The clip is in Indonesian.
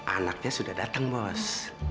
anaknya sudah datang bos